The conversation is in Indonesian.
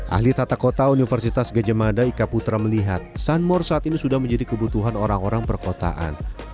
ahli tata kota universitas gajah mada ika putra melihat sunmore saat ini sudah menjadi kebutuhan orang orang perkotaan